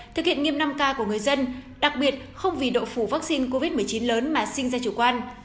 thực hiện nghiêm năm k của người dân đặc biệt không vì độ phủ vaccine covid một mươi chín lớn mà sinh ra chủ quan